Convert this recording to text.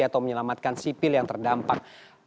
atau menyelamatkan sipil yang terdampak